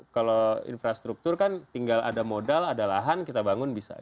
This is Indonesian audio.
kalau infrastruktur kan tinggal ada modal ada lahan kita bangun bisa